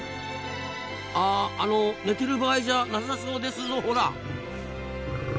ああの寝てる場合じゃなさそうですぞほら。